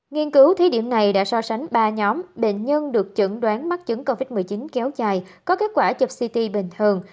nghiên cứu thí điểm này đã so sánh ba nhóm bệnh nhân được chẩn đoán mắc chứng covid một mươi chín kéo dài có kết quả chụp ct bình thường